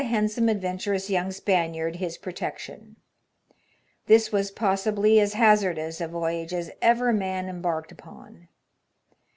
handsome adventurous young Spaniard his protection. This was possibly as hazardous a voyage as ever man embarked upon.